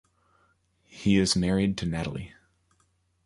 He is married to Natalie.